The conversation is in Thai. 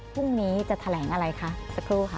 พรุ่งนี้จะแถลงอะไรคะสักครู่ค่ะ